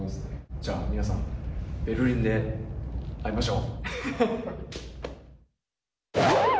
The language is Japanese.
じゃあ、皆さん、ベルリンで会いましょう。